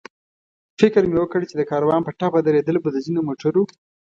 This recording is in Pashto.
فکر مې وکړ چې د کاروان په ټپه درېدل به د ځینو موټرو.